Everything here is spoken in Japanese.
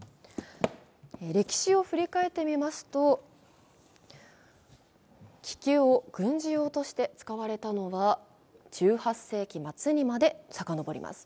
歴史を振り返ってみますと、気球を軍事用として使われたのは１８世紀末にまで遡ります。